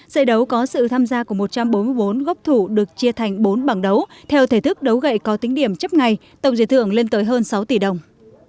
giải đấu có sự tham gia của một trăm bốn mươi bốn gốc thủ được chia thành bốn bảng đấu theo thể thức đấu gậy có tính điểm chấp ngày tổng giới thưởng lên tới hơn sáu tỷ đồng